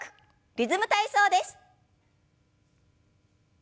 「リズム体操」です。